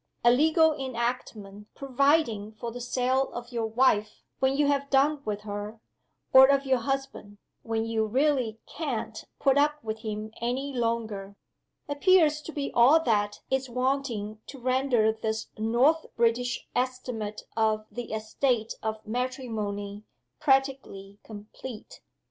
A legal enactment providing for the sale of your wife, when you have done with her, or of your husband; when you "really can't put up with him any longer," appears to be all that is wanting to render this North British estimate of the "Estate of Matrimony" practically complete.